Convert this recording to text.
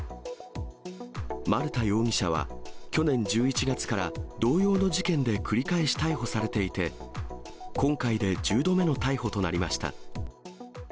丸田容疑者は、去年１１月から、同様の事件で繰り返し逮捕されていて、今回で１０度目の逮捕となりました。